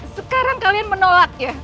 sekarang kalian menolaknya